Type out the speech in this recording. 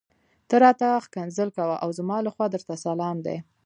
ته راته ښکنځل کوه او زما لخوا درته سلام دی.